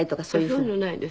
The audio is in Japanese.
そういうのはないです。